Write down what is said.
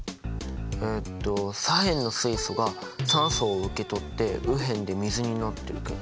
えと左辺の水素が酸素を受け取って右辺で水になってるけど。